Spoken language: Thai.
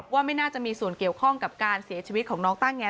ว่าไม่น่าจะมีส่วนเกี่ยวข้องกับการเสียชีวิตของน้องต้าแง